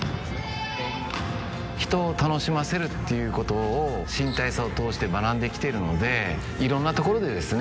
人を楽しませるっていうことを新体操を通して学んできてるのでいろんなところでですね